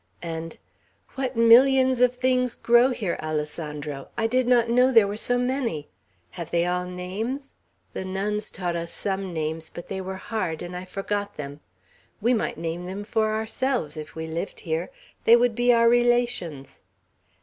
And, "What millions of things grow here, Alessandro! I did not know there were so many. Have they all names? The nuns taught us some names; but they were hard, and I forgot them, We might name them for ourselves, if we lived here. They would be our relations."